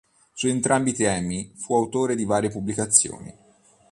Su entrambi i temi fu autore di varie pubblicazioni.